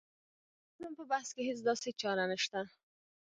د مډرنیزم په بحث کې هېڅ داسې چاره نشته.